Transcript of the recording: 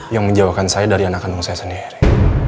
yang menjawakan saya dari anak kandung saya sendiri